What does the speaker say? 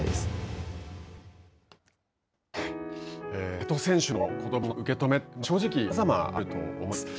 瀬戸選手のことばの受け止め、正直、さまざまあると思います。